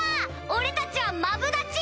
俺たちはマブダチ！